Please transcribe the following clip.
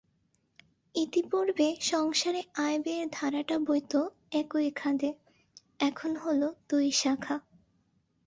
ইতিপূর্বে সংসারে আয়ব্যয়ের ধারাটা বইত একই খাদে, এখন হল দুই শাখা।